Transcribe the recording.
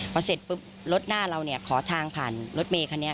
พอเสร็จปุ๊บรถหน้าเราเนี่ยขอทางผ่านรถเมย์คันนี้